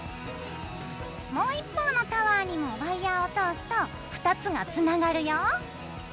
もう一方のタワーにもワイヤーを通すと２つがつながるよ。